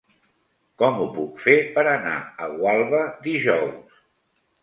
Com ho puc fer per anar a Gualba dijous?